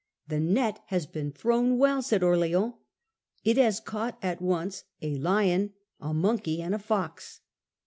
' The net has been thrown well/ said Orleans, * it has caught at once a lion, a monkey, and a fox.